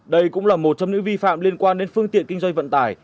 đây cũng là một trong những vi phạm liên quan đến phương tiện kinh doanh vận tải